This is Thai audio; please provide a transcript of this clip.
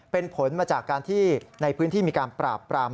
เป็นผลมาจากการที่ในพื้นที่มีการปราบปราม